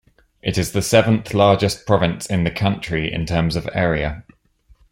It is the seventh largest province in the country in terms of area.